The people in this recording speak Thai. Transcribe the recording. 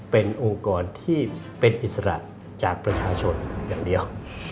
เป็นองค์กรที่เป็นอิสระจากประชาชนอย่างเดียว